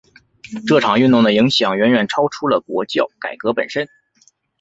这场运动的影响远远超出了国教改革本身。